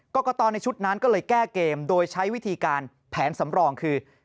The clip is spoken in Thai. กรกตในชุดนั้นก็เลยแก้เกมโดยใช้วิธีการแผนสำรองคือ